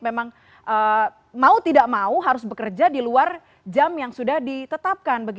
memang mau tidak mau harus bekerja di luar jam yang sudah ditetapkan